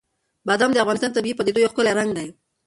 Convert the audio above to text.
بادام د افغانستان د طبیعي پدیدو یو ښکلی رنګ دی.